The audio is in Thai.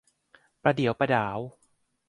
ประเดี๋ยวประด๋าว